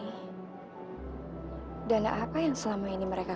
pak saya kasih tau ya pak lain kali kalau butuh duit untuk bayar utang